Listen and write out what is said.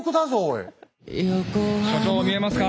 所長見えますか？